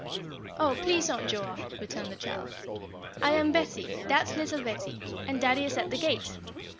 "Oh, please, Aunt Joa," returned the child, "I am Betty, dad's little Betty, and daddy is at the gate."